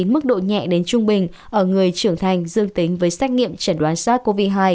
mức độ nhẹ đến trung bình ở người trưởng thành dương tính với xét nghiệm chẩn đoán sars cov hai